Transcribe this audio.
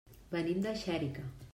Venim de Xèrica.